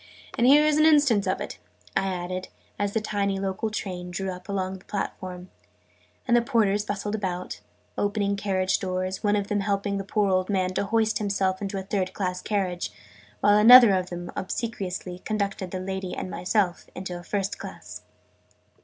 And here is an instance of it," I added, as the tiny local train drew up alongside the platform, and the porters bustled about, opening carriage doors one of them helping the poor old man to hoist himself into a third class carriage, while another of them obsequiously conducted the lady and myself into a first class.